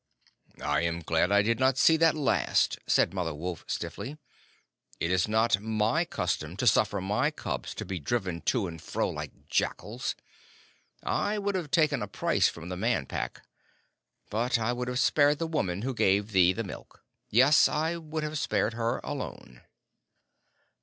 "I am glad I did not see that last," said Mother Wolf, stiffly. "It is not my custom to suffer my cubs to be driven to and fro like jackals. I would have taken a price from the Man Pack; but I would have spared the woman who gave thee the milk. Yes, I would have spared her alone."